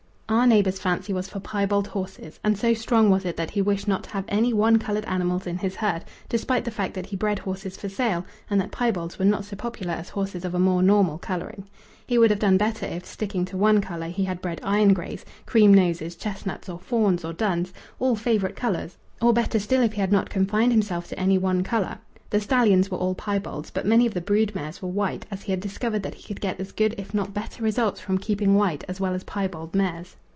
Our neighbour's fancy was for piebald horses, and so strong was it that he wished not to have any one coloured animals in his herd, despite the fact that he bred horses for sale and that piebalds were not so popular as horses of a more normal colouring. He would have done better if, sticking to one colour, he had bred iron greys, cream noses, chestnuts, or fawns or duns all favourite colours; or better still if he had not confined himself to any one colour. The stallions were all piebalds, but many of the brood mares were white, as he had discovered that he could get as good if not better results from keeping white as well as pie bald mares.